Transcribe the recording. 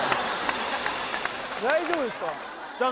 大丈夫ですか？